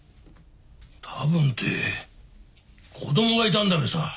多分って子供がいたんだべさ。